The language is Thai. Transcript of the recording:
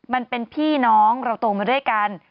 มันเป็นพี่น้องเราโตมาด้วยกัน